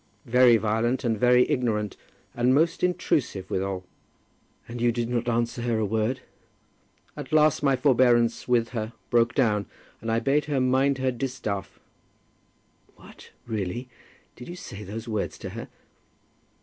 "Very violent, and very ignorant; and most intrusive withal." "And you did not answer her a word?" "At last my forbearance with her broke down, and I bade her mind her distaff." "What; really? Did you say those words to her?"